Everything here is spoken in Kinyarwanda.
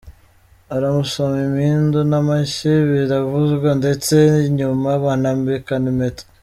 aramusomo impindu namashyi biravuzwa ndetse nyuma banambikana impeta.